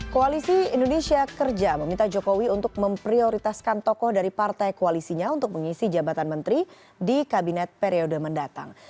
koalisi indonesia kerja meminta jokowi untuk memprioritaskan tokoh dari partai koalisinya untuk mengisi jabatan menteri di kabinet periode mendatang